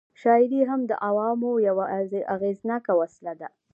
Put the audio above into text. شاعري هم د عوامو یوه اغېزناکه وسله وه.